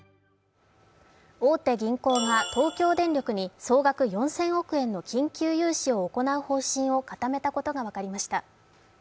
大手銀行が東京電力に総額４０００億円の緊急融資を行う方針を固めたことが分かりました。